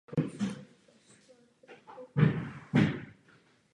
Většina chat v osadě sloužila historicky jako obydlí a hospodářství zde žijících obyvatel.